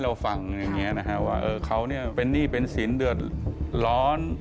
เราฟังว่าเขาเป็นหนี้เป็นศิลป์เดือดร้อน